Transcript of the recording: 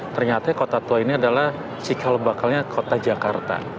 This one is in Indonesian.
ternyata kota tua ini adalah cikal bakalnya kota jakarta